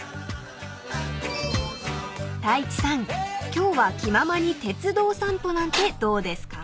今日は気ままに鉄道散歩なんてどうですか？］